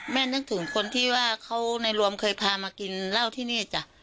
นึกถึงคนที่ว่าเขาในรวมเคยพามากินเหล้าที่นี่จ้ะ